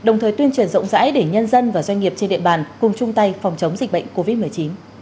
người nhân dân và doanh nghiệp trên địa bàn cùng chung tay phòng chống dịch bệnh covid một mươi chín